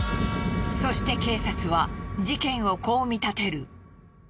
そして警察は事件をこう見立てる。